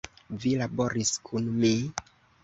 Vi laboris kun mi??